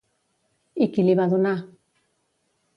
I qui li va donar?